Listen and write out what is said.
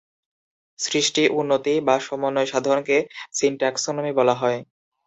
সৃষ্টি, উন্নতি বা সমন্বয় সাধনকে সিনট্যাক্সনমি বলা হয়।